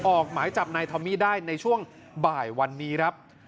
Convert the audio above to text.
ออกหมายจับนายทอมมี่ได้ในช่วงบ่ายวันนี้ครับ